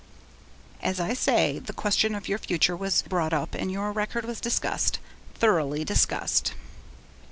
'As I say, the question of your future was brought up and your record was discussed thoroughly discussed.'